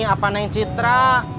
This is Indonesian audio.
apa neng citra